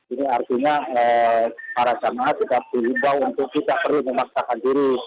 ini artinya para jamaah kita dihimbau untuk tidak perlu memaksakan diri